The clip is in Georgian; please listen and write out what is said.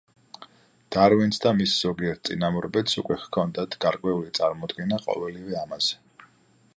დარვინს და მის ზოგიერთ წინამორბედს უკვე ჰქონდათ გარკვეული წარმოდგენა ყოველივე ამაზე.